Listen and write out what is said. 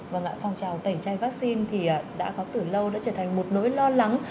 và ngại phòng trào tẩy chai vaccine thì đã có từ lâu đã trở thành một nỗi lo lắng